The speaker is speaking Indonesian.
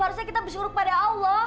harusnya kita bersyukur kepada allah